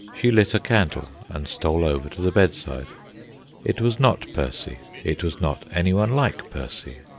She lit a candle and stole over to the bedside. It was not Percy; it was not anyone like Percy.